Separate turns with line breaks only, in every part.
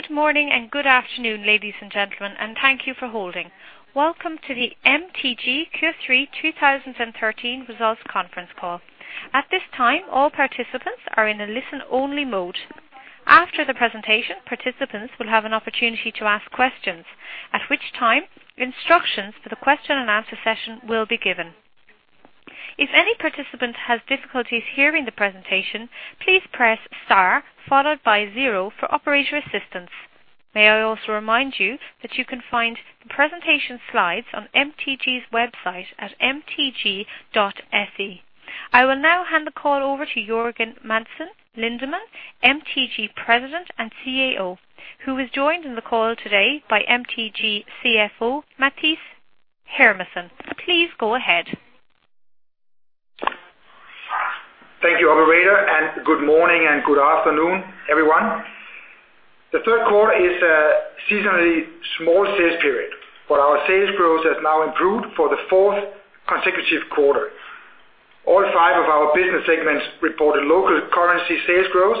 Good morning and good afternoon, ladies and gentlemen, thank you for holding. Welcome to the MTG Q3 2013 results conference call. At this time, all participants are in a listen-only mode. After the presentation, participants will have an opportunity to ask questions, at which time instructions for the question and answer session will be given. If any participant has difficulties hearing the presentation, please press star followed by zero for operator assistance. May I also remind you that you can find the presentation slides on MTG's website at mtg.com. I will now hand the call over to Jørgen Madsen Lindemann, MTG President and CEO, who is joined on the call today by MTG CFO, Mathias Hermansson. Please go ahead.
Thank you, operator. Good morning and good afternoon, everyone. The third quarter is a seasonally small sales period. Our sales growth has now improved for the fourth consecutive quarter. All five of our business segments reported local currency sales growth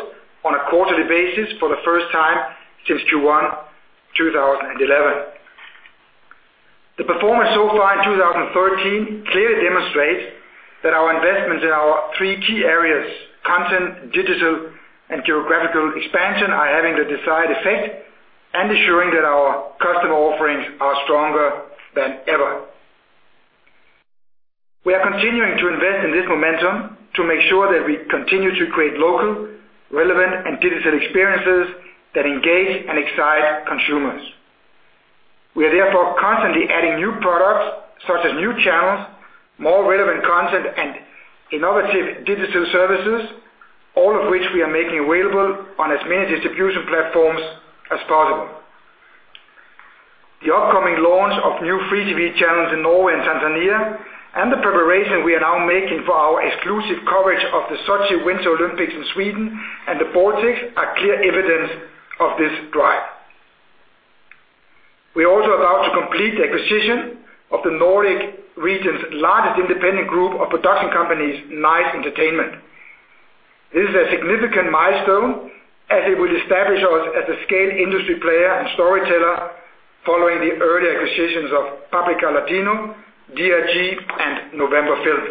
on a quarterly basis for the first time since Q1 2011. The performance so far in 2013 clearly demonstrates that our investments in our three key areas, content, digital, and geographical expansion, are having the desired effect and ensuring that our customer offerings are stronger than ever. We are continuing to invest in this momentum to make sure that we continue to create local, relevant, and digital experiences that engage and excite consumers. We are therefore constantly adding new products such as new channels, more relevant content, and innovative digital services, all of which we are making available on as many distribution platforms as possible. The upcoming launch of new free TV channels in Norway and Tanzania and the preparation we are now making for our exclusive coverage of the Sochi Winter Olympics in Sweden and the Baltics are clear evidence of this drive. We are also about to complete the acquisition of the Nordic region's largest independent group of production companies, Nice Entertainment. This is a significant milestone, as it will establish us as a scale industry player and storyteller following the early acquisitions of Paprika Latino, DRG, and Novemberfilm.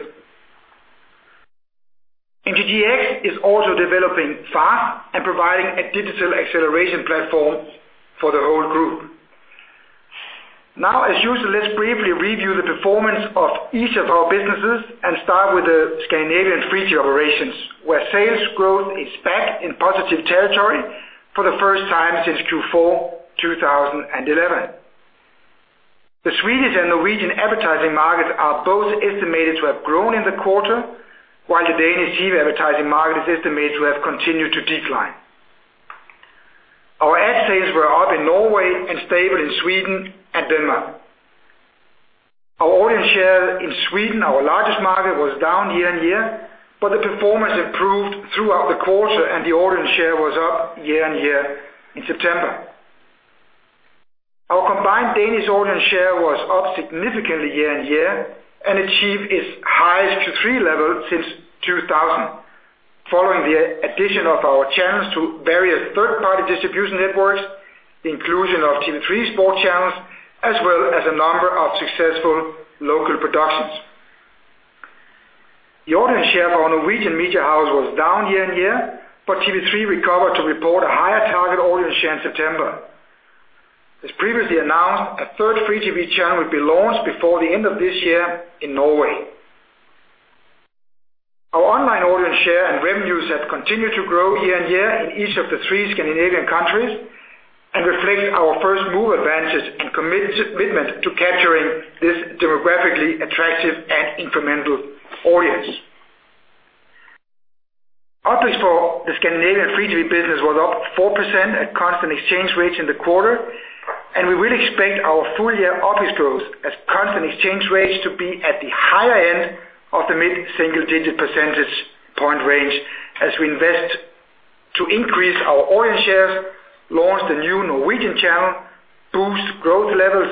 MTGx is also developing fast and providing a digital acceleration platform for the whole group. As usual, let's briefly review the performance of each of our businesses and start with the Scandinavian free TV operations, where sales growth is back in positive territory for the first time since Q4 2011. The Swedish and Norwegian advertising markets are both estimated to have grown in the quarter, while the Danish TV advertising market is estimated to have continued to decline. Our ad sales were up in Norway and stable in Sweden and Denmark. Our audience share in Sweden, our largest market, was down year on year. The performance improved throughout the quarter and the audience share was up year on year in September. Our combined Danish audience share was up significantly year on year and achieved its highest Q3 level since 2000, following the addition of our channels to various third-party distribution networks, the inclusion of TV3 sports channels, as well as a number of successful local productions. The audience share for our Norwegian media house was down year on year. TV3 recovered to report a higher target audience share in September. As previously announced, a third free TV channel will be launched before the end of this year in Norway. Our online audience share and revenues have continued to grow year-over-year in each of the three Scandinavian countries and reflect our first-mover advantages and commitment to capturing this demographically attractive and incremental audience. Operating profit for the Scandinavian free TV business was up 4% at constant exchange rates in the quarter. We will expect our full-year operating profit growth at constant exchange rates to be at the higher end of the mid-single-digit percentage point range as we invest to increase our audience shares, launch the new Norwegian channel, boost growth levels,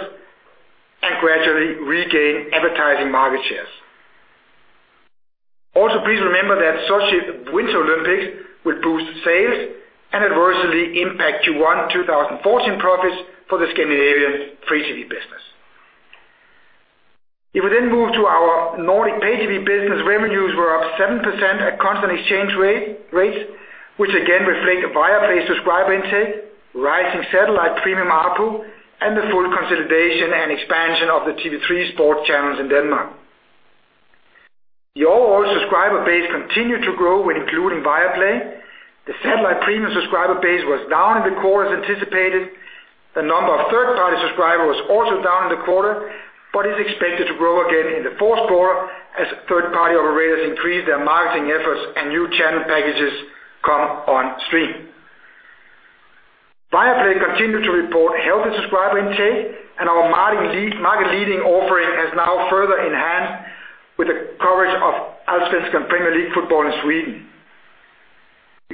and gradually regain advertising market shares. Also, please remember that Sochi Winter Olympics will boost sales and adversely impact Q1 2014 profits for the Scandinavian free TV business. We move to our Nordic pay TV business, revenues were up 7% at constant exchange rates, which again reflect Viasat's subscriber intake, rising satellite premium ARPU, and the full consolidation and expansion of the TV3 sports channels in Denmark. The overall subscriber base continued to grow when including Viaplay. The satellite premium subscriber base was down in the quarter as anticipated. The number of third-party subscribers was also down in the quarter, but is expected to grow again in the fourth quarter as third-party operators increase their marketing efforts and new channel packages come on stream. Viaplay continued to report healthy subscriber intake, and our market-leading offering is now further enhanced with the coverage of Allsvenskan Premier League football in Sweden.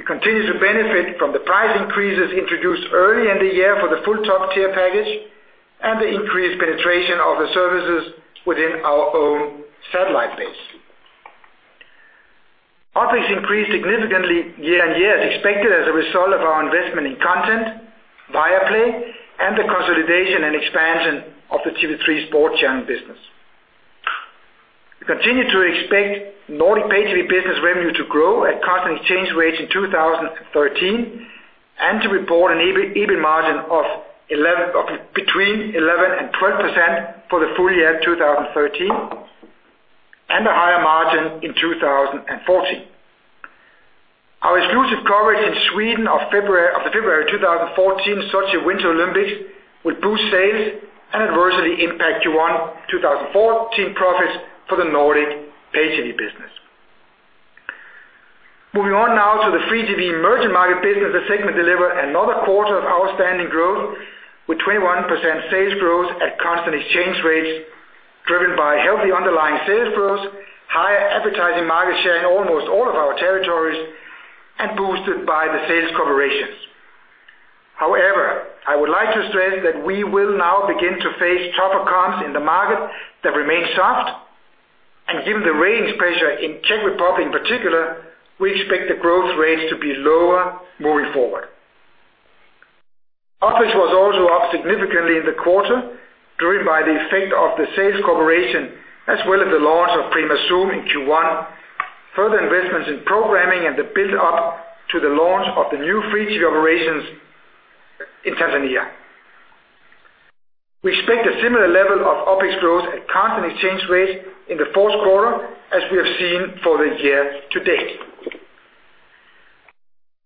We continue to benefit from the price increases introduced early in the year for the full top-tier package. The increased penetration of the services within our own satellite base. OpEx increased significantly year-over-year as expected as a result of our investment in content, Viaplay, and the consolidation and expansion of the TV3 sports channel business. We continue to expect Nordic pay-TV business revenue to grow at constant exchange rates in 2013, and to report an EBIT margin of between 11% and 12% for the full-year 2013, and a higher margin in 2014. Our exclusive coverage in Sweden of the February 2014 Sochi Winter Olympics will boost sales and adversely impact Q1 2014 profits for the Nordic pay-TV business. Moving on now to the free TV emerging market business segment delivered another quarter of outstanding growth, with 21% sales growth at constant exchange rates, driven by healthy underlying sales growth, higher advertising market share in almost all of our territories, and boosted by the sales corporations. However, I would like to stress that we will now begin to face tougher comps in the market that remain soft, and given the ratings pressure in Czech Republic in particular, we expect the growth rates to be lower moving forward. OpEx was also up significantly in the quarter driven by the effect of the sales corporation, as well as the launch of Prima Zoom in Q1, further investments in programming, and the build-up to the launch of the new free TV operations in Tanzania. We expect a similar level of OpEx growth at constant exchange rates in the fourth quarter as we have seen for the year to date.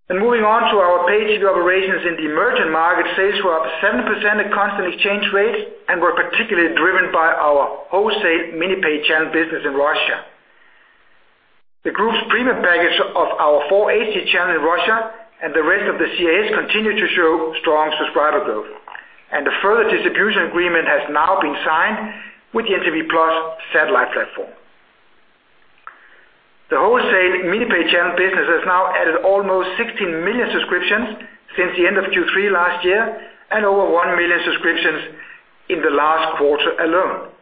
Moving on to our pay-TV operations in the emerging market, sales were up 7% at constant exchange rates and were particularly driven by our wholesale mini pay channel business in Russia. The group's premium package of our four HD channels in Russia and the rest of the CIS continue to show strong subscriber growth, and a further distribution agreement has now been signed with the NTV-Plus satellite platform. The wholesale mini pay channel business has now added almost 16 million subscriptions since the end of Q3 last year and over 1 million subscriptions in the last quarter alone.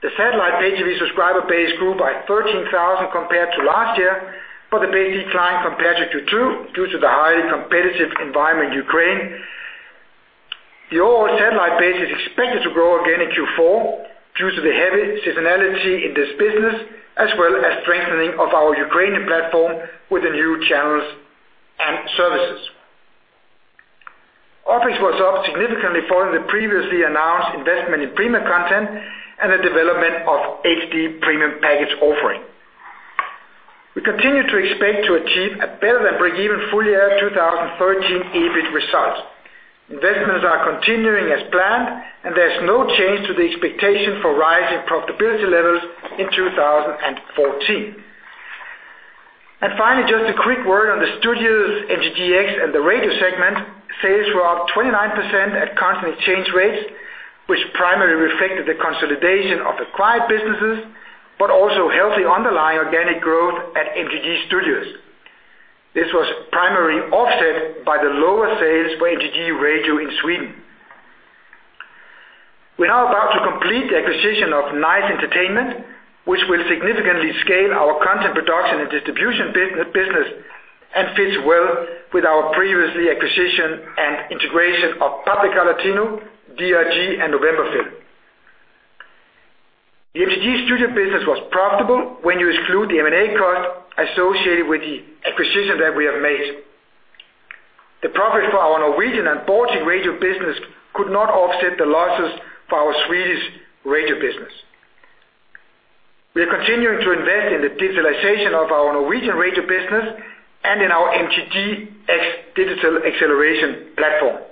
The satellite pay-TV subscriber base grew by 13,000 compared to last year, but the base declined compared to Q2 due to the highly competitive environment in Ukraine. The overall satellite base is expected to grow again in Q4 due to the heavy seasonality in this business, as well as strengthening of our Ukrainian platform with the new channels and services. OpEx was up significantly following the previously announced investment in premium content and the development of HD premium package offering. We continue to expect to achieve a better than break-even full year 2013 EBIT result. Investments are continuing as planned, and there's no change to the expectation for rise in profitability levels in 2014. Finally, just a quick word on the studios, MTGx and the radio segment. Sales were up 29% at constant exchange rates, which primarily reflected the consolidation of acquired businesses, but also healthy underlying organic growth at MTG Studios. This was primarily offset by the lower sales for MTG Radio in Sweden. We are now about to complete the acquisition of Nice Entertainment, which will significantly scale our content production and distribution business and fits well with our previously acquisition and integration of Paprika Latino, DRG, and Novemberfilm. The MTG studio business was profitable when you exclude the M&A cost associated with the acquisition that we have made. The profit for our Norwegian and Baltic radio business could not offset the losses for our Swedish radio business. We are continuing to invest in the digitalization of our Norwegian radio business and in our MTGx digital acceleration platform.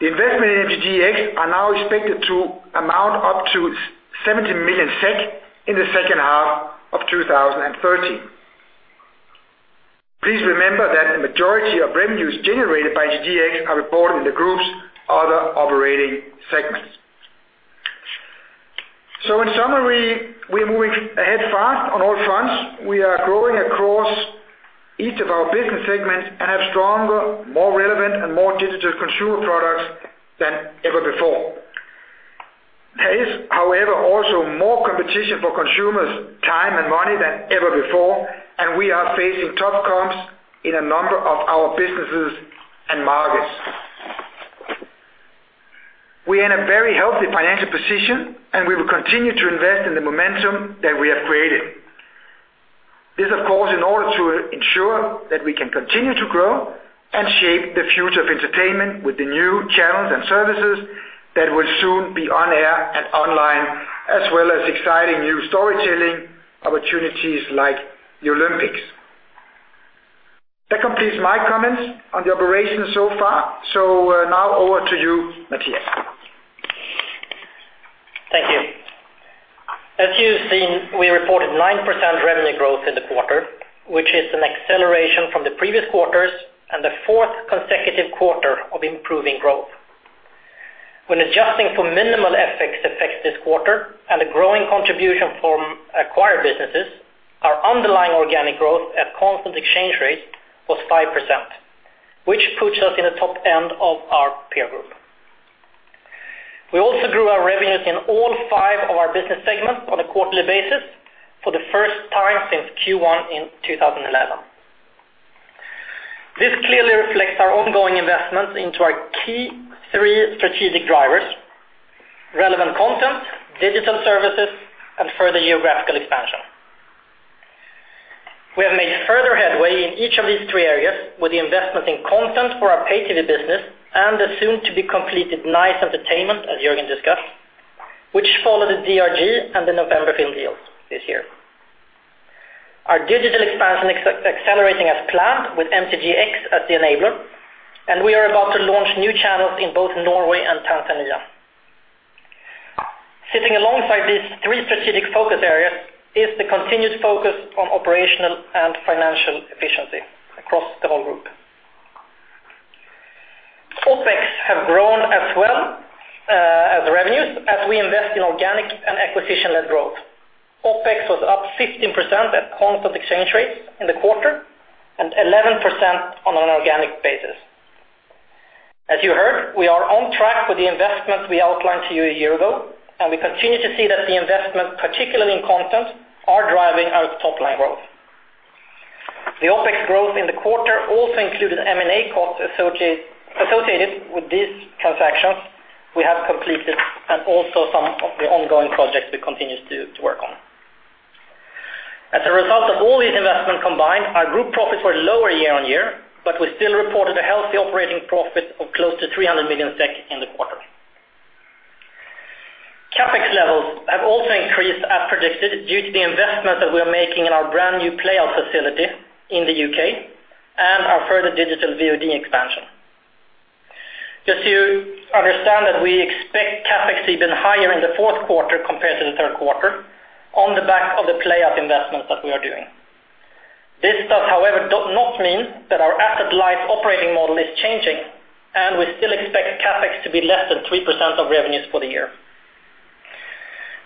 The investment in MTGx are now expected to amount up to 70 million SEK in the second half of 2013. Please remember that the majority of revenues generated by MTGx are reported in the group's other operating segments. In summary, we are moving ahead fast on all fronts. We are growing across each of our business segments and have stronger, more relevant, and more digital consumer products than ever before. There is, however, also more competition for consumers' time and money than ever before, and we are facing tough comps in a number of our businesses and markets. We are in a very healthy financial position, and we will continue to invest in the momentum that we have created. This, of course, in order to ensure that we can continue to grow and shape the future of entertainment with the new channels and services that will soon be on air and online, as well as exciting new storytelling opportunities like the Olympics. That completes my comments on the operation so far. Now over to you, Mathias.
Thank you. As you've seen, we reported 9% revenue growth in the quarter, which is an acceleration from the previous quarters and the fourth consecutive quarter of improving growth. When adjusting for minimal FX effects this quarter and the growing contribution from acquired businesses, our underlying organic growth at constant exchange rates was 5%, which puts us in the top end of our peer group. We also grew our revenues in all five of our business segments on a quarterly basis for the first time since Q1 in 2011. This clearly reflects our ongoing investments into our key three strategic drivers: relevant content, digital services, and further geographical expansion. We have made further headway in each of these three areas with the investment in content for our pay TV business and the soon-to-be-completed Nice Entertainment, as Jørgen discussed, which followed the DRG and the Novemberfilm deals this year. Our digital expansion is accelerating as planned with MTGx as the enabler, and we are about to launch new channels in both Norway and Tanzania. Sitting alongside these three strategic focus areas is the continued focus on operational and financial efficiency across the whole group. OpEx have grown as well as revenues as we invest in organic and acquisition-led growth. OpEx was up 15% at constant exchange rates in the quarter, and 11% on an organic basis. As you heard, we are on track with the investments we outlined to you a year ago, and we continue to see that the investments, particularly in content, are driving our top-line growth. The OpEx growth in the quarter also included M&A costs associated with these transactions we have completed and also some of the ongoing projects we continue to work on. As a result of all these investments combined, our group profits were lower year-on-year, but we still reported a healthy operating profit of close to 300 million SEK in the quarter. CapEx levels have also increased as predicted due to the investment that we are making in our brand new playout facility in the U.K. and our further digital VOD expansion. Just so you understand that we expect CapEx even higher in the fourth quarter compared to the third quarter on the back of the playout investments that we are doing. This does, however, not mean that our asset light operating model is changing, and we still expect CapEx to be less than 3% of revenues for the year.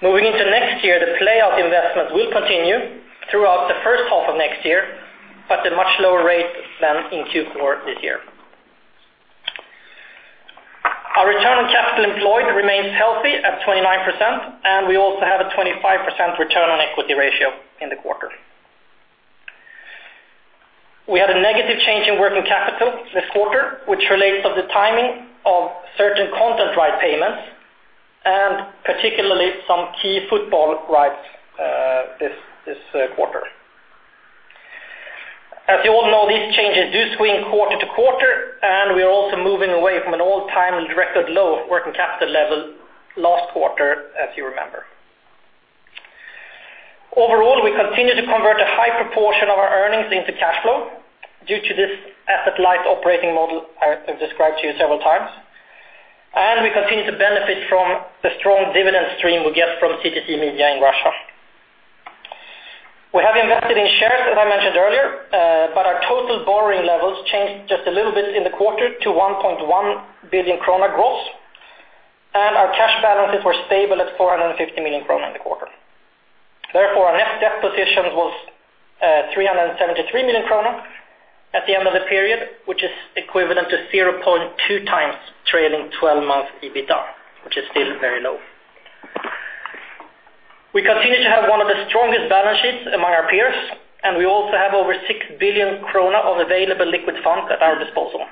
Moving into next year, the playout investment will continue throughout the first half of next year, but at a much lower rate than in Q4 this year. Our return on capital employed remains healthy at 29%. We also have a 25% return on equity ratio in the quarter. We had a negative change in working capital this quarter, which relates to the timing of certain content right payments, particularly some key football rights this quarter. As you all know, these changes do swing quarter to quarter. We are also moving away from an all-time record low of working capital level last quarter, as you remember. Overall, we continue to convert a high proportion of our earnings into cash flow due to this asset-light operating model I have described to you several times. We continue to benefit from the strong dividend stream we get from CTC Media in Russia. We have invested in shares, as I mentioned earlier. Our total borrowing levels changed just a little bit in the quarter to 1.1 billion krona gross, and our cash balances were stable at 450 million krona in the quarter. Therefore, our net debt position was 373 million krona at the end of the period, which is equivalent to 0.2 times trailing 12-month EBITDA, which is still very low. We continue to have one of the strongest balance sheets among our peers. We also have over 6 billion krona of available liquid funds at our disposal.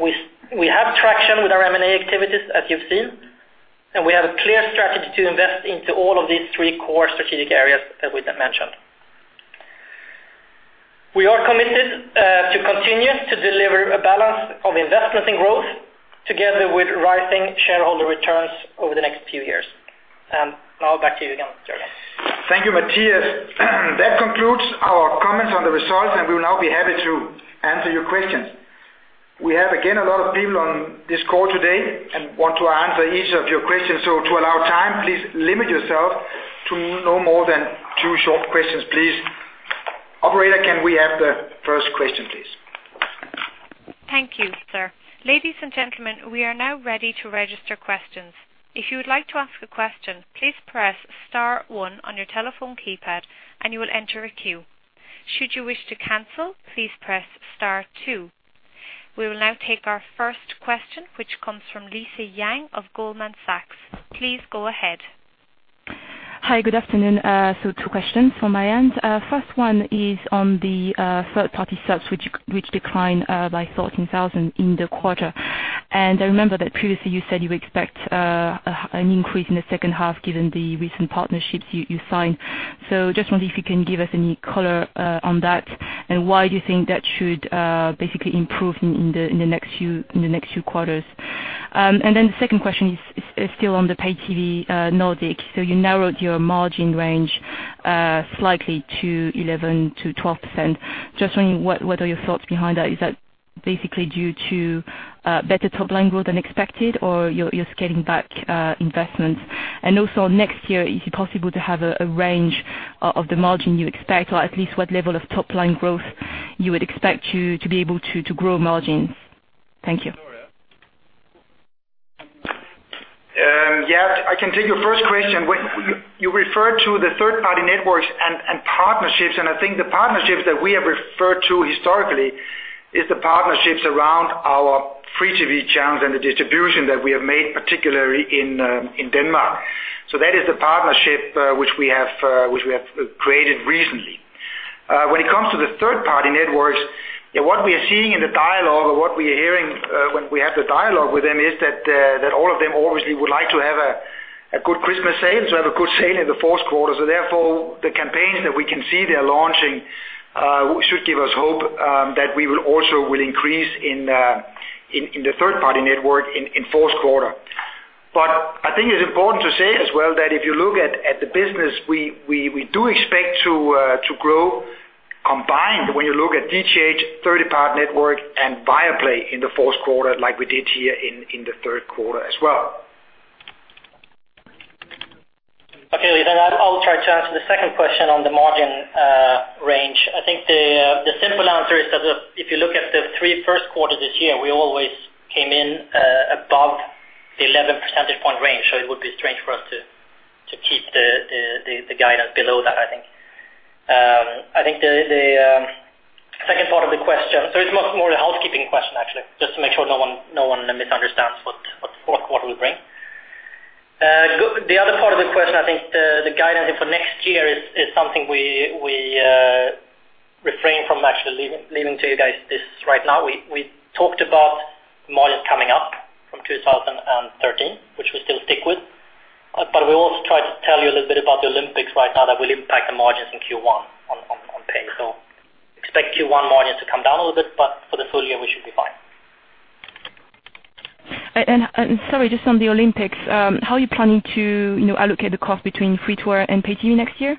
We have traction with our M&A activities, as you've seen. We have a clear strategy to invest into all of these three core strategic areas that we mentioned. We are committed to continue to deliver a balance of investment and growth together with rising shareholder returns over the next few years. Now back to you again, Jørgen.
Thank you, Mathias. That concludes our comments on the results. We will now be happy to answer your questions. We have, again, a lot of people on this call today and want to answer each of your questions. To allow time, please limit yourself to no more than two short questions, please. Operator, can we have the first question, please?
Thank you, sir. Ladies and gentlemen, we are now ready to register questions. If you would like to ask a question, please press star one on your telephone keypad and you will enter a queue. Should you wish to cancel, please press star two. We will now take our first question, which comes from Lisa Yang of Goldman Sachs. Please go ahead.
Hi. Good afternoon. Two questions from my end. First one is on the third-party subs, which decline by 13,000 in the quarter. I remember that previously you said you expect an increase in the second half given the recent partnerships you signed. Just wonder if you can give us any color on that, and why do you think that should basically improve in the next few quarters? The second question is still on the pay TV Nordic. You narrowed your margin range slightly to 11%-12%. Just wondering what are your thoughts behind that? Is that basically due to better top-line growth than expected, or you're scaling back investments? Also next year, is it possible to have a range of the margin you expect, or at least what level of top-line growth you would expect to be able to grow margins? Thank you.
Yeah. I can take your first question. You referred to the third-party networks and partnerships, I think the partnerships that we have referred to historically is the partnerships around our free TV channels and the distribution that we have made, particularly in Denmark. That is the partnership which we have created recently. When it comes to the third-party networks, what we are seeing in the dialogue, or what we are hearing when we have the dialogue with them, is that all of them obviously would like to have a good Christmas sale, to have a good sale in the fourth quarter. Therefore, the campaigns that we can see they're launching should give us hope that we will also increase in the third-party network in fourth quarter. I think it's important to say as well that if you look at the business, we do expect to grow combined when you look at DTH, third-party network, and Viaplay in the fourth quarter like we did here in the third quarter as well.
I'll try to answer the second question on the margin range. I think the simple answer is that if you look at the three first quarters this year, we always came in above the 11 percentage point range. It would be strange for us to keep the guidance below that, I think. I think the second part of the question. It's more a housekeeping question, actually, just to make sure no one misunderstands what we bring. The other part of the question, I think, the guidance for next year is something we refrain from actually leaving to you guys this right now. We talked about margins coming up from 2013, which we still stick with. We also tried to tell you a little bit about the Olympics right now that will impact the margins in Q1 on pay. Expect Q1 margin to come down a little bit, for the full year, we should be fine.
Sorry, just on the Olympics, how are you planning to allocate the cost between free-TV and pay TV next year?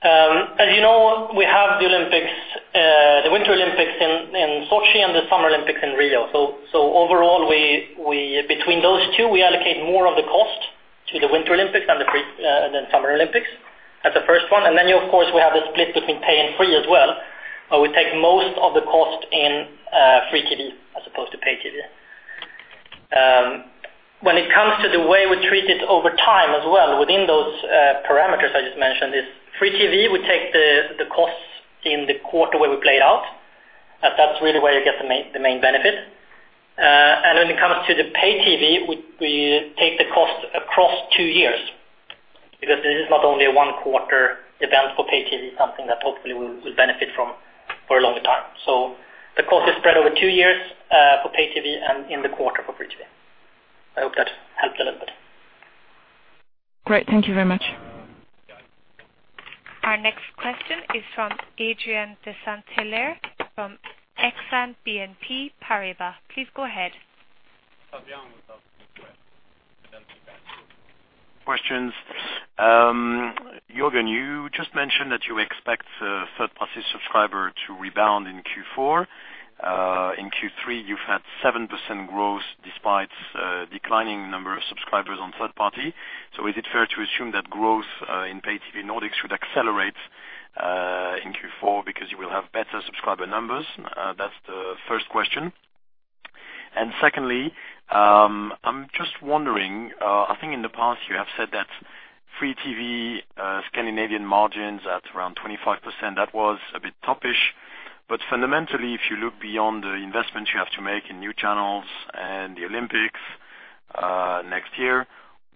As you know, we have the Winter Olympics in Sochi and the Summer Olympics in Rio. Overall, between those two, we allocate more of the cost to the Winter Olympics than Summer Olympics as the first one. Then, of course, we have the split between pay and free as well, where we take most of the cost in free TV as opposed to pay TV. When it comes to the way we treat it over time as well, within those parameters I just mentioned, is free TV would take the costs in the quarter where we play it out. That's really where you get the main benefit. When it comes to the pay TV, we take the cost across two years, because this is not only a one quarter event for pay TV, something that hopefully will benefit from for a longer time. The cost is spread over two years for pay TV and in the quarter for free TV. I hope that helped a little bit.
Great. Thank you very much.
Our next question is from Adrien de Saint Hilaire from Exane BNP Paribas. Please go ahead.
Adrien with
Questions. Jørgen, you just mentioned that you expect third-party subscriber to rebound in Q4. In Q3, you've had 7% growth despite declining number of subscribers on third-party. Is it fair to assume that growth in pay TV Nordics should accelerate in Q4 because you will have better subscriber numbers? That's the first question. Secondly, I'm just wondering, I think in the past you have said that free TV Scandinavian margins at around 25%, that was a bit top-ish. Fundamentally, if you look beyond the investments you have to make in new channels and the Olympics next year,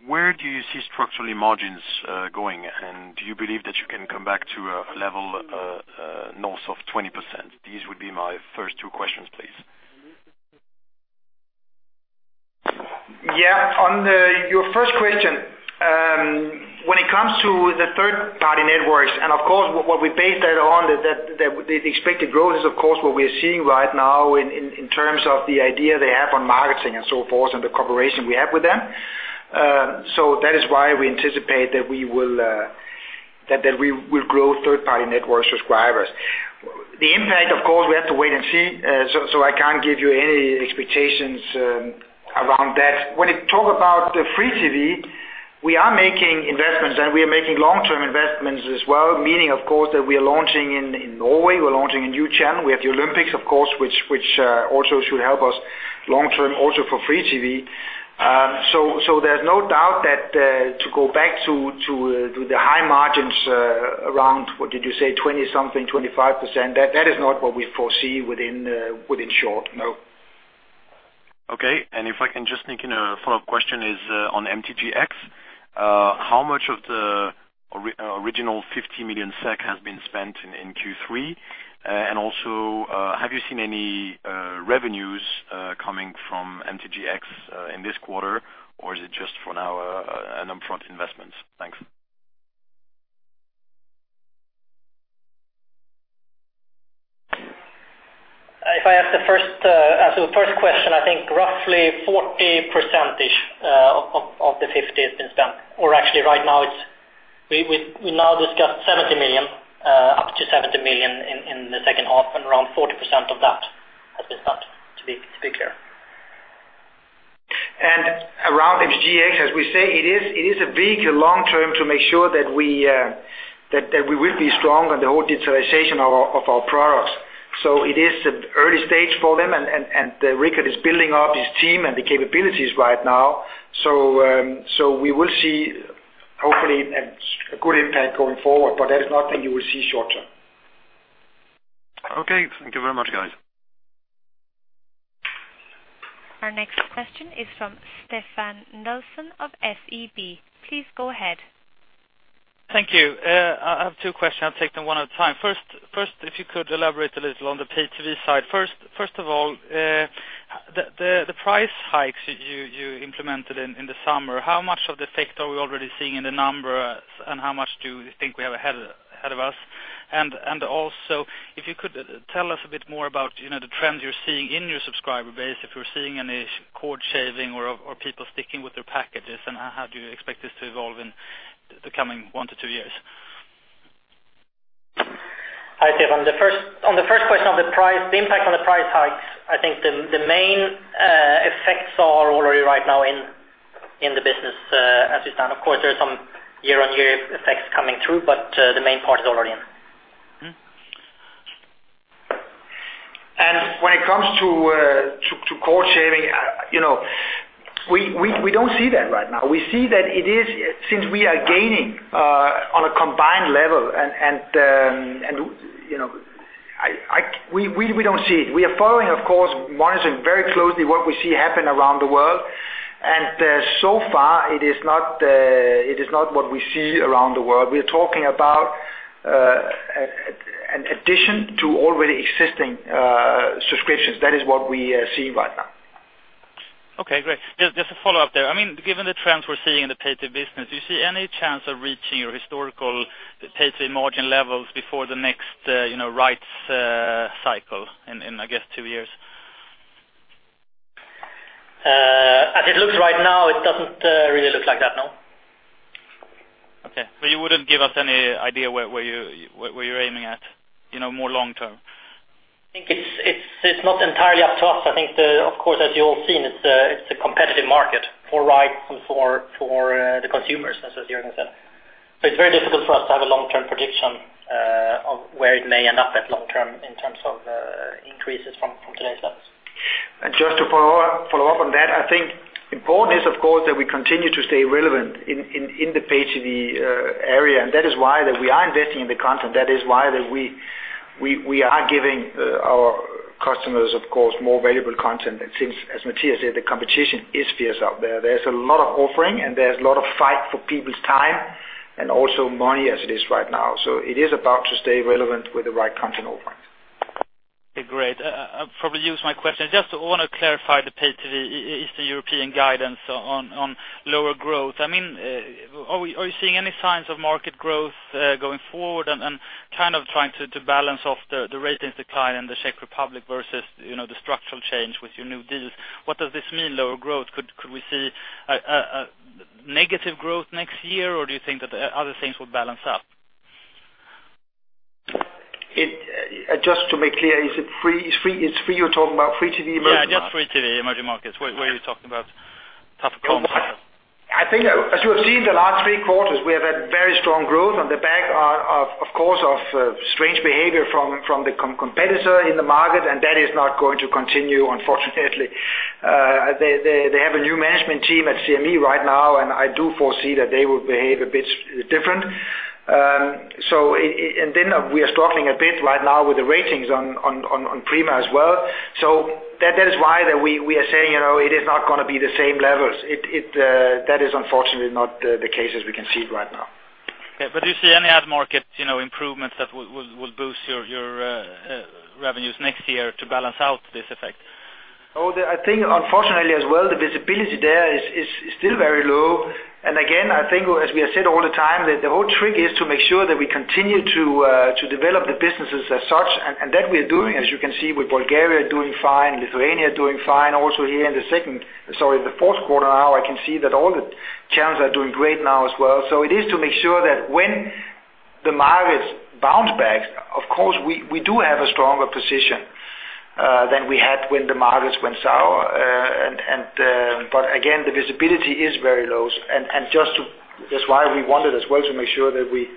where do you see structurally margins going? Do you believe that you can come back to a level north of 20%? These would be my first two questions, please.
Yeah. On your first question, when it comes to the third-party networks, and of course, what we base that on, the expected growth is, of course, what we're seeing right now in terms of the idea they have on marketing and so forth and the cooperation we have with them. That is why we anticipate that we will grow third-party network subscribers. The impact, of course, we have to wait and see, so I can't give you any expectations around that. When you talk about the free TV, we are making investments, and we are making long-term investments as well, meaning, of course, that we are launching in Norway, we're launching a new channel. We have the Olympics, of course, which also should help us long-term also for free TV. There's no doubt that to go back to the high margins around, what did you say, 20 something, 25%, that is not what we foresee within short, no.
Okay. If I can just sneak in a follow-up question is on MTGx. How much of the original 50 million SEK has been spent in Q3? Have you seen any revenues coming from MTGx in this quarter? Is it just for now an upfront investment? Thanks.
If I answer the first question, I think roughly 40% of the 50 million has been spent. Right now, we now discussed 70 million, up to 70 million in the second half, and around 40% of that has been spent, to be clear.
Around MTGx, as we say, it is a big long term to make sure that we will be strong on the whole digitalization of our products. It is at early stage for them, and Rikard is building up his team and the capabilities right now. We will see, hopefully, a good impact going forward. That is not something you will see short term.
Okay. Thank you very much, guys.
Our next question is from Stefan Nelson of SEB. Please go ahead.
Thank you. I have two questions. I'll take them one at a time. First, if you could elaborate a little on the pay TV side. First of all, the price hikes you implemented in the summer, how much of the effect are we already seeing in the numbers, and how much do you think we have ahead of us? Also, if you could tell us a bit more about the trends you're seeing in your subscriber base, if you're seeing any cord shaving or people sticking with their packages, and how do you expect this to evolve in the coming one to two years?
Hi, Stefan. On the first question of the price, the impact on the price hikes, I think the main effects are already right now in the business as is. Of course, there are some year-on-year effects coming through, the main part is already in.
When it comes to cord shaving, we don't see that right now. We see that since we are gaining on a combined level and we don't see it. We are following, of course, monitoring very closely what we see happen around the world. So far it is not what we see around the world. We're talking about an addition to already existing subscriptions. That is what we are seeing right now.
Okay, great. Just a follow-up there. Given the trends we're seeing in the pay TV business, do you see any chance of reaching your historical pay TV margin levels before the next rights cycle in, I guess, two years?
As it looks right now, it doesn't really look like that, no.
You wouldn't give us any idea where you're aiming at more long term?
I think it's not entirely up to us. I think, of course, as you've all seen, it's a competitive market for rights and for the consumers, as Jørgen said. It's very difficult for us to have a long-term prediction of where it may end up at long term in terms of increases from today's levels.
Just to follow up on that, I think important is, of course, that we continue to stay relevant in the pay TV area, and that is why that we are investing in the content. That is why that we are giving our customers, of course, more valuable content. Since, as Mathias said, the competition is fierce out there. There's a lot of offering, and there's a lot of fight for people's time and also money as it is right now. It is about to stay relevant with the right content offering.
Great. I'll probably use my question. Just want to clarify the pay TV Eastern European guidance on lower growth. Are you seeing any signs of market growth going forward and kind of trying to balance off the ratings decline in the Czech Republic versus the structural change with your new deals? What does this mean, lower growth? Could we see a negative growth next year, or do you think that other things will balance out?
Just to make clear, it's free you're talking about, free TV emerging markets?
Yeah, just free TV, emerging markets, where you're talking about tougher comparisons.
I think as you have seen the last three quarters, we have had very strong growth on the back, of course, of strange behavior from the competitor in the market. That is not going to continue, unfortunately. They have a new management team at CME right now. I do foresee that they will behave a bit different. We are struggling a bit right now with the ratings on Prima as well. That is why that we are saying, it is not going to be the same levels. That is unfortunately not the case as we can see it right now.
Okay. Do you see any ad market improvements that will boost your revenues next year to balance out this effect?
I think unfortunately as well, the visibility there is still very low. Again, I think as we have said all the time, that the whole trick is to make sure that we continue to develop the businesses as such, and that we are doing, as you can see with Bulgaria doing fine, Lithuania doing fine also here in the second, sorry, the fourth quarter now, I can see that all the channels are doing great now as well. It is to make sure that when the markets bounce back, of course, we do have a stronger position than we had when the markets went sour. Again, the visibility is very low. That's why we wanted as well to make sure that we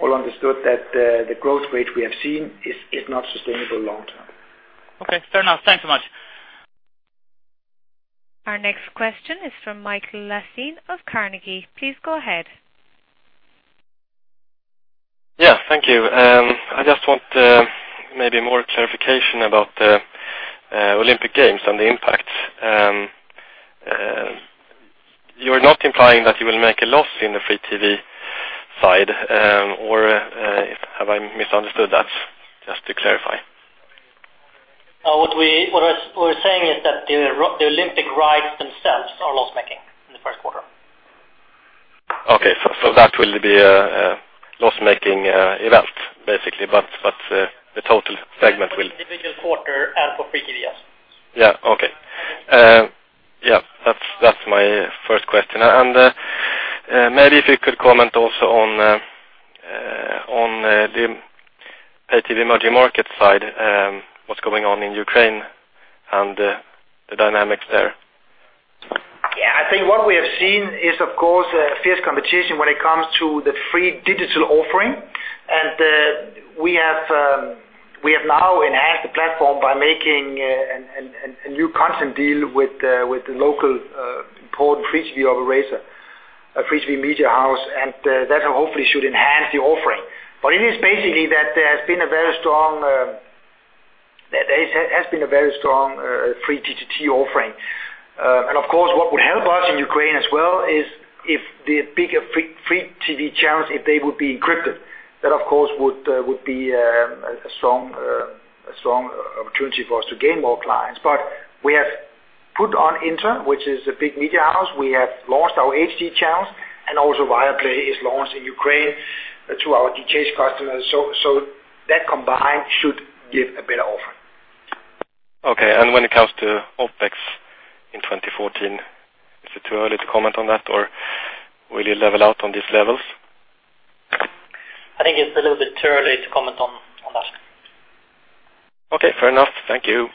all understood that the growth rate we have seen is not sustainable long term.
Okay. Fair enough. Thanks so much.
Our next question is from Mikael Laséen of Carnegie. Please go ahead.
Yeah, thank you. I just want maybe more clarification about the Olympic Games and the impact. You're not implying that you will make a loss in the free TV side, or have I misunderstood that? Just to clarify.
What we're saying is that the Olympic rights themselves are loss-making in the first quarter.
Okay. That will be a loss-making event, basically.
For the individual quarter and for free TV, yes.
Yeah. Okay. Yeah, that's my first question. Maybe if you could comment also on the pay TV emerging market side, what's going on in Ukraine and the dynamics there?
I think what we have seen is, of course, fierce competition when it comes to the free digital offering. We have now enhanced the platform by making a new content deal with the local important free-to-view operator, free-to-view media house, and that hopefully should enhance the offering. It is basically that there has been a very strong free DTT offering. Of course, what would help us in Ukraine as well is if the bigger free TV channels, if they would be encrypted. That, of course, would be a strong opportunity for us to gain more clients. We have put on Inter, which is a big media house. We have launched our HD channels, and also Viaplay is launched in Ukraine to our DTH customers. That combined should give a better offer.
Okay. When it comes to OpEx in 2014, is it too early to comment on that, or will you level out on these levels?
I think it's a little bit too early to comment on that.
Okay, fair enough. Thank you.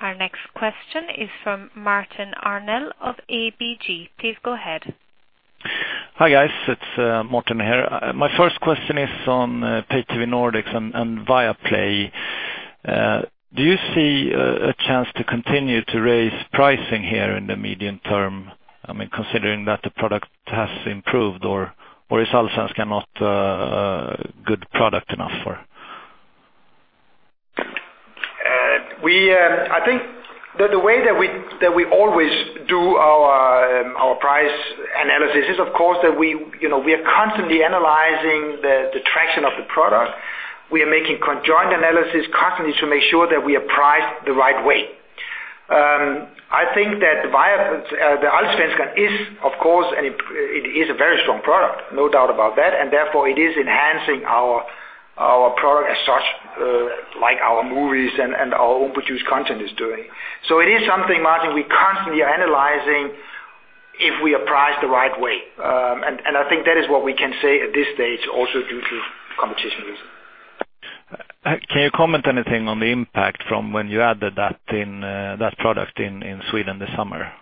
Our next question is from Martin Arnell of ABG. Please go ahead.
Hi, guys. It's Martin here. My first question is on pay TV Nordics and Viaplay. Do you see a chance to continue to raise pricing here in the medium term? Considering that the product has improved, or is Allsvenskan not a good product enough for?
I think that the way that we always do our price analysis is, of course, that we are constantly analyzing the traction of the product. We are making conjoint analysis constantly to make sure that we are priced the right way. I think that the Allsvenskan is, of course, a very strong product, no doubt about that, and therefore it is enhancing our product as such, like our movies and our own produced content is doing. It is something, Martin, we constantly are analyzing if we are priced the right way. I think that is what we can say at this stage, also due to competition reason.
Can you comment anything on the impact from when you added that product in Sweden this summer?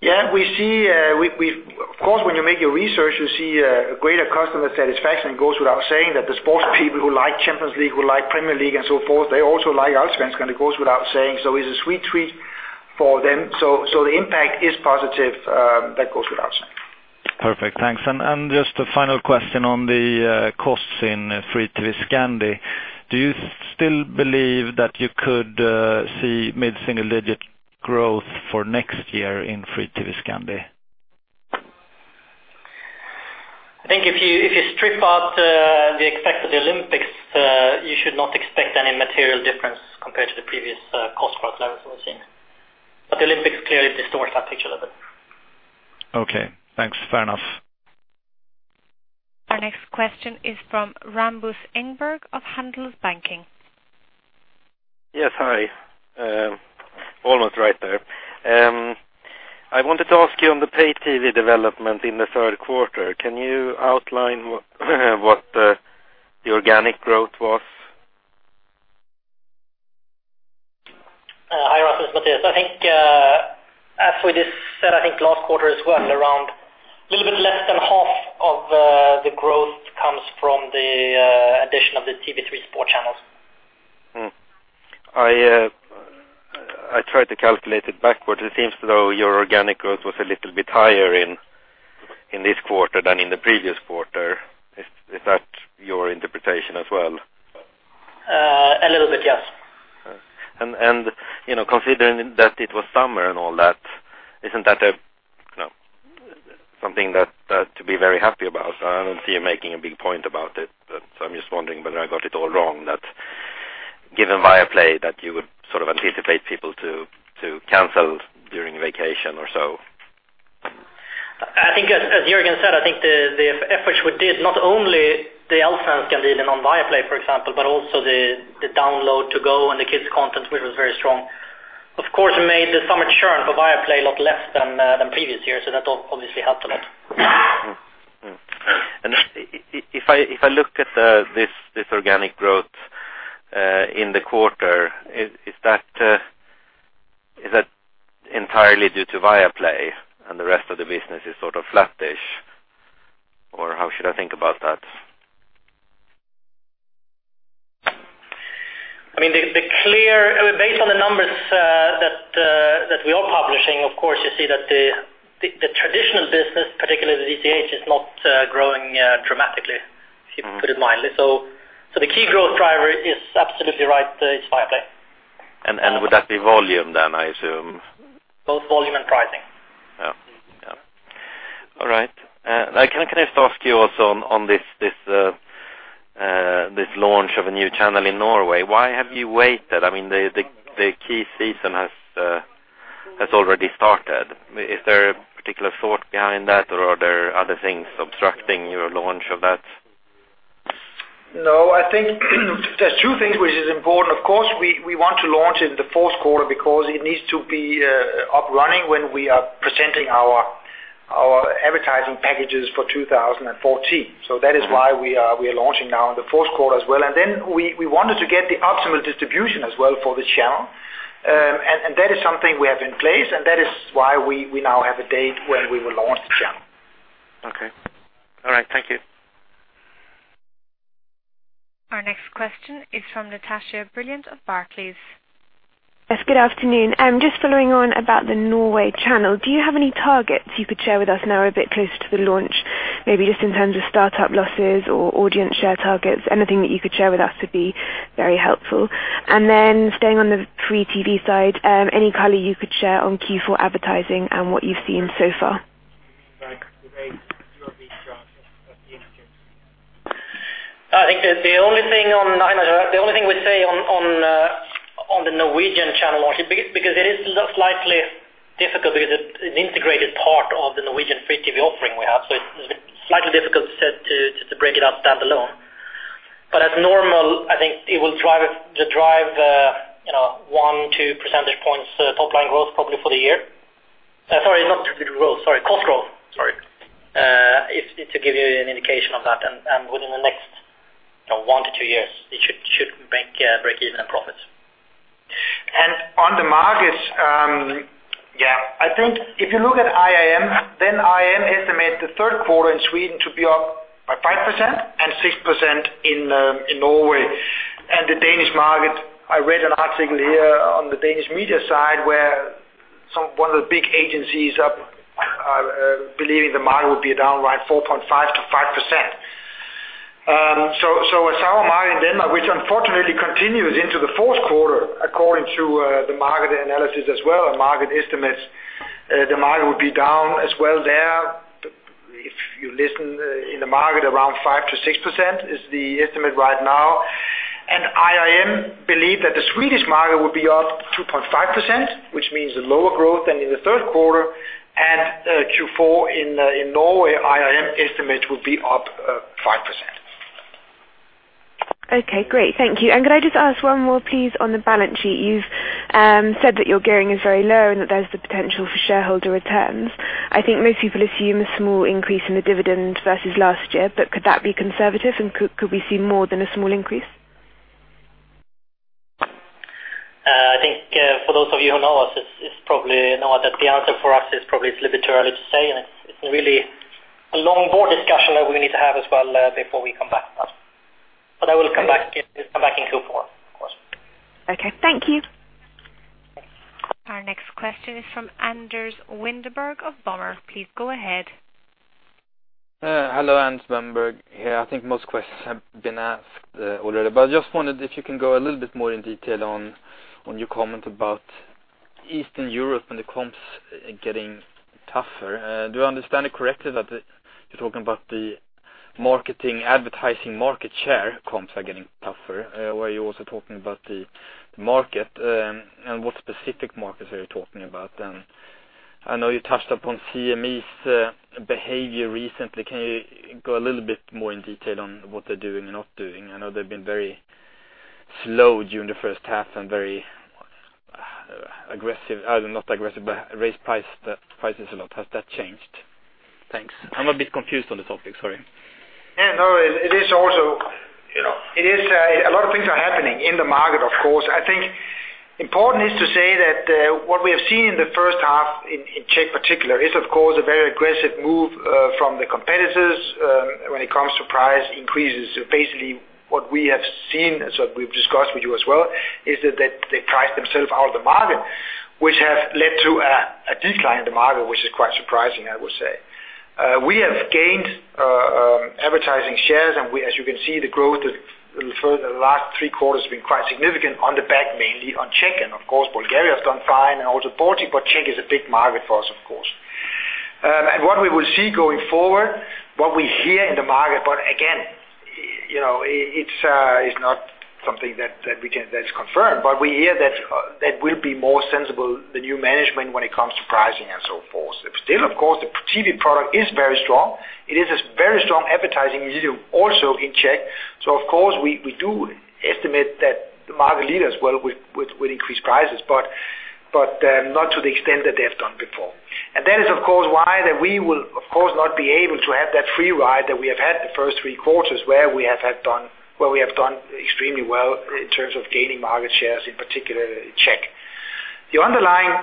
Yeah. Of course, when you make your research, you see a greater customer satisfaction. It goes without saying that the sports people who like Champions League, who like Premier League and so forth, they also like Allsvenskan, it goes without saying. It's a sweet treat for them. The impact is positive, that goes without saying.
Perfect. Thanks. Just a final question on the costs in free TV Scandi. Do you still believe that you could see mid-single-digit growth for next year in free TV Scandi?
I think if you strip out the effect of the Olympics, you should not expect any material difference compared to the previous cost growth levels we've seen. The Olympics clearly distorts that picture a little bit.
Okay. Thanks. Fair enough.
Our next question is from Rasmus Engberg of Handelsbanken.
Yes, hi. Almost right there. I wanted to ask you on the pay TV development in the third quarter, can you outline what the organic growth was?
Hi, Rasmus. Mathias. I think, as we just said, I think last quarter as well, around a little bit less than half of the growth comes from the addition of the TV3 sports channels.
I tried to calculate it backwards. It seems as though your organic growth was a little bit higher in this quarter than in the previous quarter. Is that your interpretation as well?
A little bit, yes.
Considering that it was summer and all that, isn't that something to be very happy about? I don't see you making a big point about it, but I'm just wondering whether I got it all wrong that given Viaplay, that you would sort of anticipate people to cancel during vacation or so.
As Jørgen said, I think the efforts we did, not only the Allsvenskan deal and on Viaplay, for example, but also the Download-to-go and the kids content, which was very strong. Of course, we made the summer churn for Viaplay a lot less than previous years, that obviously helped a lot.
If I look at this organic growth in the quarter, is that entirely due to Viaplay and the rest of the business is sort of flat-ish, or how should I think about that?
Based on the numbers that we are publishing, of course, you see that the traditional business, particularly the DTH, is not growing dramatically, to put it mildly. The key growth driver is absolutely right. It's Viaplay.
Would that be volume then, I assume?
Both volume and pricing.
Yeah. All right. Can I just ask you also on this launch of a new channel in Norway, why have you waited? The key season has already started. Is there a particular thought behind that or are there other things obstructing your launch of that?
No, I think there's two things which is important. Of course, we want to launch in the fourth quarter because it needs to be up running when we are presenting our advertising packages for 2014. That is why we are launching now in the fourth quarter as well. Then we wanted to get the optimal distribution as well for the channel. That is something we have in place, and that is why we now have a date when we will launch the channel.
Thank you.
Our next question is from Natasha Brilliant of Barclays.
Yes, good afternoon. Just following on about the Norway channel. Do you have any targets you could share with us now we're a bit closer to the launch? Maybe just in terms of startup losses or audience share targets, anything that you could share with us would be very helpful. Then staying on the free TV side, any color you could share on Q4 advertising and what you've seen so far?
I think the only thing we say on the Norwegian channel launch, because it is slightly difficult, because it's an integrated part of the Norwegian free TV offering we have. It's slightly difficult to break it out standalone. As normal, I think it will drive one, two percentage points top line growth probably for the year. Sorry, not top line growth, cost growth. Sorry. To give you an indication of that, within the next one to two years, it should break even on profits.
On the markets, yeah, I think if you look at IRM estimate the third quarter in Sweden to be up by 5% and 6% in Norway. The Danish market, I read an article here on the Danish media side where one of the big agencies believing the market would be down by 4.5%-5%. A sour market in Denmark, which unfortunately continues into the fourth quarter, according to the market analysis as well, and market estimates, the market would be down as well there. If you listen in the market, around 5%-6% is the estimate right now. IRM believe that the Swedish market would be up 2.5%, which means a lower growth than in the third quarter and Q4 in Norway, IRM estimates, would be up 5%.
Okay, great. Thank you. Could I just ask one more, please, on the balance sheet? You've said that your gearing is very low and that there's the potential for shareholder returns. I think most people assume a small increase in the dividend versus last year, could that be conservative, and could we see more than a small increase?
I think for those of you who know us, it's probably know that the answer for us is probably it's a little bit too early to say, it's really a long board discussion that we need to have as well before we come back. I will come back in Q4, of course.
Okay. Thank you.
Our next question is from Anders Wenberg of Pareto. Please go ahead.
Hello, Anders Wenberg here. I think most questions have been asked already. I just wondered if you can go a little bit more in detail on your comment about Eastern Europe and the comps getting tougher. Do I understand it correctly that you're talking about the advertising market share comps are getting tougher? Are you also talking about the market? What specific markets are you talking about then? I know you touched upon CME's behavior recently. Can you go a little bit more in detail on what they're doing and not doing? I know they've been very slow during the first half and very aggressive, or not aggressive, but raised prices a lot. Has that changed? Thanks. I'm a bit confused on the topic, sorry.
Yeah, no. A lot of things are happening in the market, of course. I think important is to say that what we have seen in the first half in Czech particular is, of course, a very aggressive move from the competitors when it comes to price increases. Basically, what we have seen, as we've discussed with you as well, is that they priced themselves out of the market, which has led to a decline in the market, which is quite surprising, I would say. We have gained advertising shares, as you can see, the growth for the last 3 quarters has been quite significant on the back, mainly on Czech. Of course, Bulgaria has done fine and also [Portugal], but Czech is a big market for us, of course. What we will see going forward, what we hear in the market, but again, it's not something that's confirmed. We hear that will be more sensible, the new management, when it comes to pricing and so forth. Still, of course, the TV product is very strong. It is a very strong advertising medium also in Czech. Of course, we do estimate that the market leaders will increase prices, but not to the extent that they have done before. That is, of course, why that we will, of course, not be able to have that free ride that we have had the first 3 quarters where we have done extremely well in terms of gaining market shares, in particular Czech. The underlying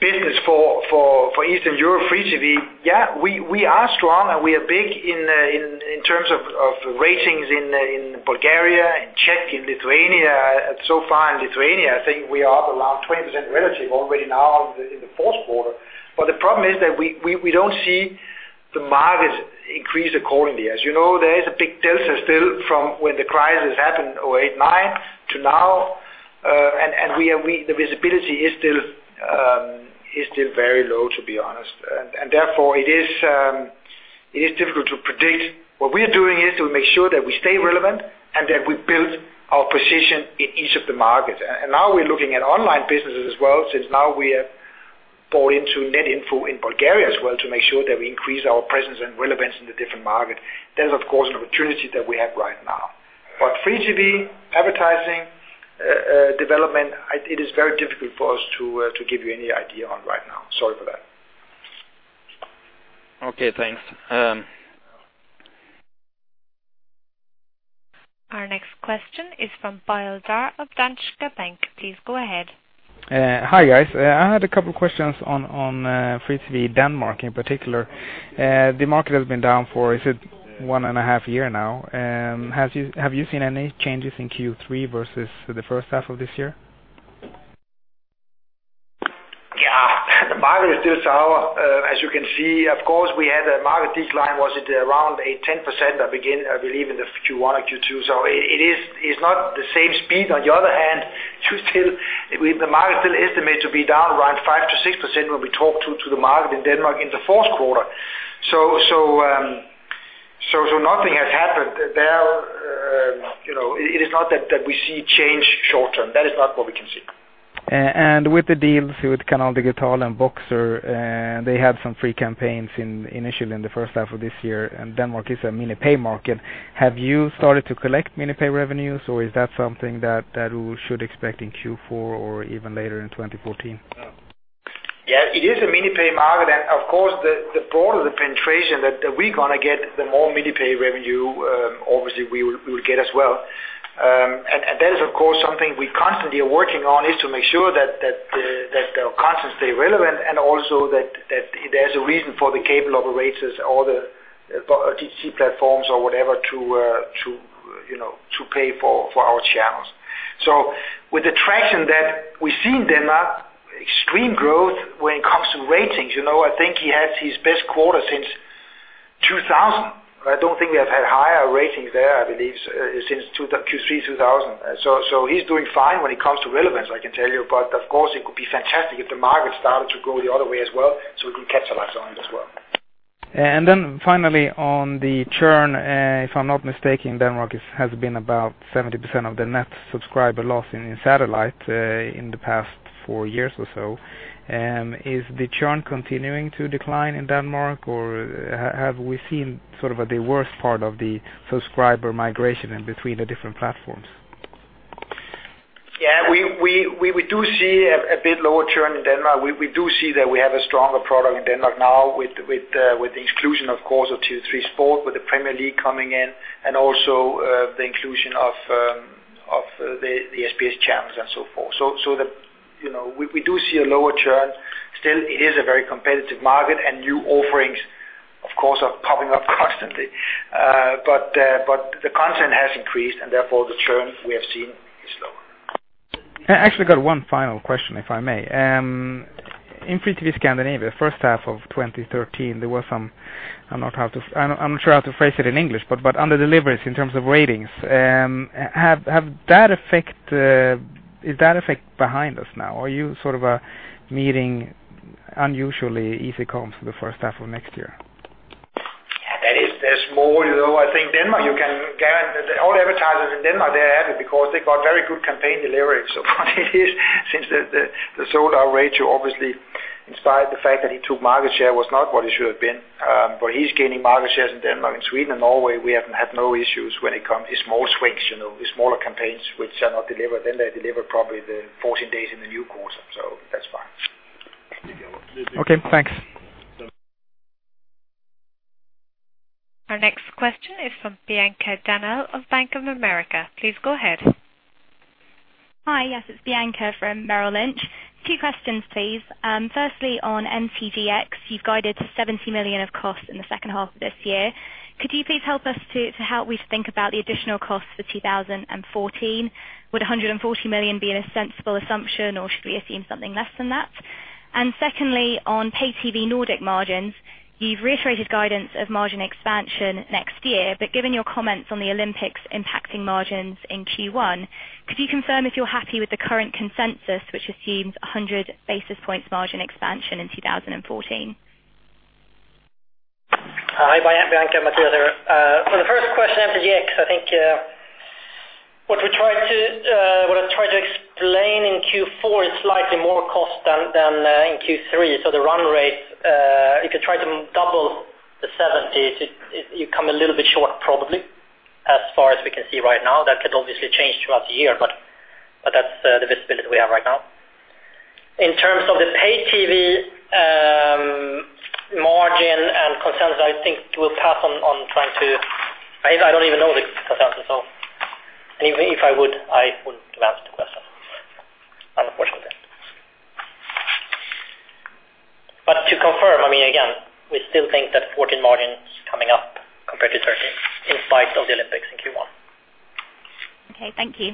business for Eastern Europe free TV, yeah, we are strong, and we are big in terms of ratings in Bulgaria, in Czech, in Lithuania. Far in Lithuania, I think we are up around 20% relative already now in the fourth quarter. The problem is that we don't see the markets increase accordingly. As you know, there is a big delta still from when the crisis happened 2008, 2009 to now. The visibility is still very low, to be honest. Therefore, it is difficult to predict. What we are doing is to make sure that we stay relevant and that we build our position in each of the markets. Now we're looking at online businesses as well, since now we have bought into Netinfo in Bulgaria as well to make sure that we increase our presence and relevance in the different markets. That is, of course, an opportunity that we have right now. free TV advertising development, it is very difficult for us to give you any idea on right now. Sorry for that.
Okay, thanks.
Our next question is from Poul Ernst Jessen of Danske Bank. Please go ahead.
Hi, guys. I had a couple questions on Free TV Denmark in particular. The market has been down for, is it one and a half year now? Have you seen any changes in Q3 versus the first half of this year?
The market is still sour. As you can see, of course, we had a market decline. Was it around a 10% believe in the Q1 or Q2? It is not the same speed. On the other hand, the market still estimate to be down around 5%-6% when we talk to the market in Denmark in the fourth quarter. Nothing has happened there. It is not that we see change short term. That is not what we can see.
With the deals with Canal Digital and Boxer, they had some free campaigns initially in the first half of this year. Denmark is a mini-pay market. Have you started to collect mini-pay revenues, or is that something that we should expect in Q4 or even later in 2014?
It is a mini-pay market. Of course, the broader the penetration that we're going to get, the more mini-pay revenue obviously we will get as well. That is, of course, something we constantly are working on is to make sure that the content stay relevant and also that there's a reason for the cable operators or the DTT platforms or whatever to pay for our channels. With the traction that we see in Denmark, extreme growth when it comes to ratings. I think he has his best quarter since 2000. I don't think we have had higher ratings there, I believe, since Q3 2000. He's doing fine when it comes to relevance, I can tell you. Of course, it could be fantastic if the market started to grow the other way as well, so we can capitalize on it as well.
Finally on the churn, if I'm not mistaken, Denmark has been about 70% of the net subscriber loss in your satellite in the past four years or so. Is the churn continuing to decline in Denmark, or have we seen sort of the worst part of the subscriber migration in between the different platforms?
Yeah, we do see a bit lower churn in Denmark. We do see that we have a stronger product in Denmark now with the exclusion, of course, of Tier 3 sport with the Premier League coming in and also the inclusion of the SBS channels and so forth. We do see a lower churn. Still, it is a very competitive market and new offerings, of course, are popping up constantly. The content has increased and therefore the churn we have seen is lower.
I actually got one final question, if I may. In FreeTV Scandinavia, first half of 2013, there were some, I'm not sure how to phrase it in English, but under deliveries in terms of ratings. Is that effect behind us now? Are you sort of meeting unusually easy comps for the first half of next year?
That is small. I think all the advertisers in Denmark, they're happy because they got very good campaign delivery so far since the sold-out ratio obviously, in spite of the fact that it took market share, was not what it should have been. He's gaining market shares in Denmark. In Sweden and Norway, we haven't had no issues. It's small swings, the smaller campaigns which are not delivered, then they deliver probably the 14 days in the new quarter. That's fine.
Okay, thanks.
Our next question is from [Bianca Danno] of Bank of America. Please go ahead.
Hi. Yes, it's Bianca from Merrill Lynch. Two questions, please. Firstly, on MTGX, you've guided 70 million of costs in the second half of this year. Could you please help us to how we think about the additional costs for 2014? Would 140 million be a sensible assumption, or should we have seen something less than that? Secondly, on pay TV Nordic margins, you've reiterated guidance of margin expansion next year. Given your comments on the Olympics impacting margins in Q1, could you confirm if you're happy with the current consensus, which assumes 100 basis points margin expansion in 2014?
Hi, Bianca. Mathias here. For the first question, MTGX, I think what I tried to explain in Q4 is slightly more cost than in Q3. The run rate, if you try to double the 70, you come a little bit short, probably, as far as we can see right now. That could obviously change throughout the year, but that's the visibility we have right now. In terms of the pay TV margin and concerns, I think we'll pass on. I don't even know the concerns. Even if I would, I wouldn't have answered the question, unfortunately. To confirm, again, we still think that 2014 margin's coming up compared to 2013, in spite of the Olympics in Q1.
Okay. Thank you.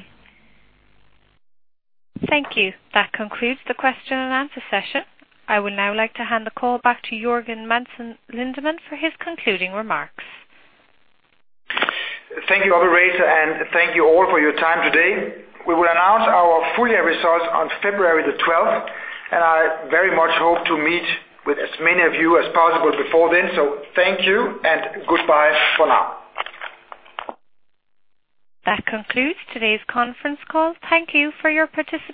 Thank you. That concludes the question and answer session. I would now like to hand the call back to Jørgen Madsen Lindemann for his concluding remarks.
Thank you, operator, and thank you all for your time today. We will announce our full year results on February the 12th, and I very much hope to meet with as many of you as possible before then. Thank you and goodbye for now.
That concludes today's conference call. Thank you for your participation.